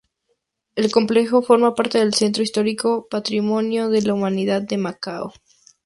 El complejo forma parte del Centro Histórico Patrimonio de la Humanidad en Macao.